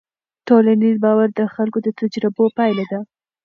ټولنیز باور د خلکو د تجربو پایله ده.